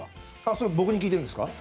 それ僕に聞いてるんですか？